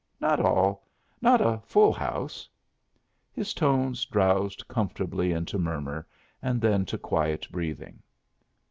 Not all. Not a full house " His tones drowsed comfortably into murmur, and then to quiet breathing.